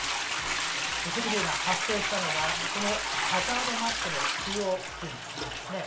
土石流が発生したのはこのハザードマップの中央付近なんですね。